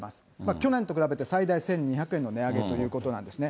去年と比べて、最大１２００円の値上げということなんですね。